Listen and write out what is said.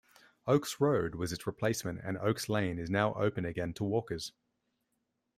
Oaks Road was its replacement and Oaks Lane is now open again to walkers.